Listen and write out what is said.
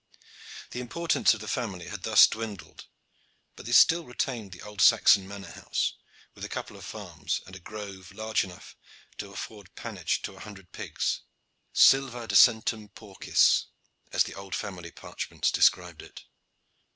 The importance of the family had thus dwindled, but they still retained the old Saxon manor house, with a couple of farms and a grove large enough to afford pannage to a hundred pigs "sylva de centum porcis," as the old family parchments describe it.